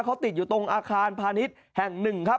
เขาติดอยู่ตรงอาคารพาณิชย์แห่ง๑